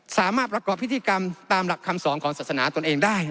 สามารถประกอบพิธีกรรมตามหลักคำสองสัติภาพตัวเองได้